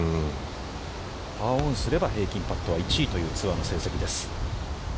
パーオンすれば平均パットは１位というツアーの成績です。